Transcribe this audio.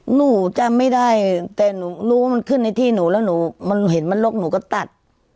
หนูจำไม่ได้แต่หนูรู้ว่ามันขึ้นในที่หนูแล้วหนูมันเห็นมันลกหนูก็ตัด